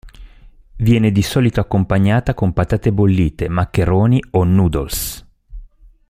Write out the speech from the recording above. Viene di solito accompagnata con patate bollite, maccheroni o noodles.